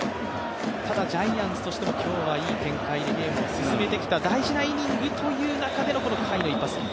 ただジャイアンツとしても今日はいい展開でゲームを進めてきた大事なイニングという中での甲斐の一発。